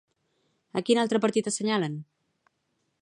A quin altre partit assenyalen?